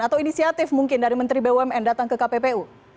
atau inisiatif mungkin dari menteri bumn datang ke kppu